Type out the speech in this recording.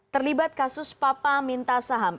terlibat kasus papa minta saham